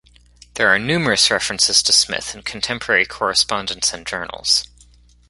There are numerous references to Smith in contemporary correspondence and journals.